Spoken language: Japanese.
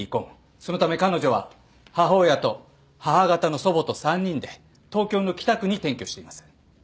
そのため彼女は母親と母方の祖母と３人で東京の北区に転居しています。